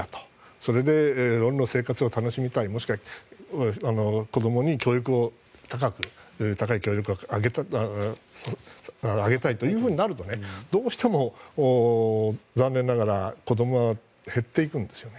それで生活を楽しみたいもしくは子供に高い教育をあげたいというふうになるとどうしても、残念ながら子供は減っていくんですよね。